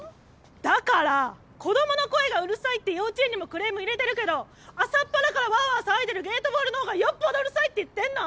・だから子供の声がうるさいって幼稚園にもクレーム入れてるけど朝っぱらからワーワー騒いでるゲートボールの方がよっぽどうるさいって言ってんの！